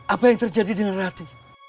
apa yang terjadi dengan ratu